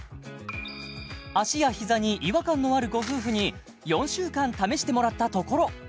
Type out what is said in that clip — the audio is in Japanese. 足や膝に違和感のあるご夫婦に４週間試してもらったところ